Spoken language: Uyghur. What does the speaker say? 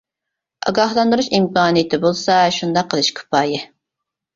ئاگاھلاندۇرۇش ئىمكانىيىتى بولسا شۇنداق قىلىش كۇپايە.